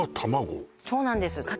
そうなんです